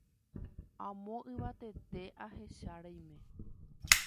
Amo yvatete ahecha reime